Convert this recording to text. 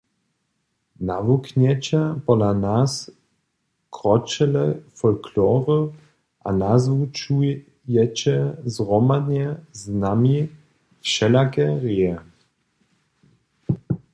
Nawuknjeće pola nas kročele folklory a nazwučujeće zhromadnje z nami wšelake reje.